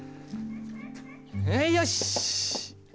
よし！